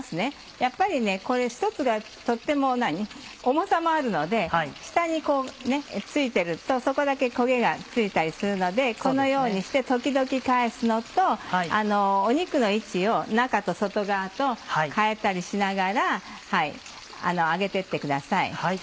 やっぱりこれ一つがとっても重さもあるので下に付いてるとそこだけ焦げがついたりするのでこのようにして時々返すのと肉の位置を中と外側と変えたりしながら揚げてってください。